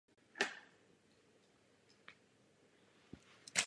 V Afghánistánu jsou čtvrtým nejrozšířenějším etnikem.